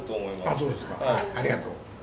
あっそうですかありがとう。